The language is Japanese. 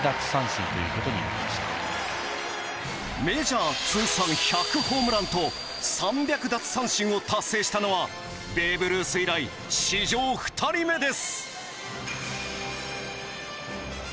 メジャー通算１００ホームランと３００奪三振を達成したのはベーブ・ルース以来史上２人目です。